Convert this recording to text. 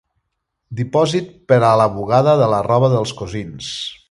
Dipòsit per a la bugada de la roba dels cosins.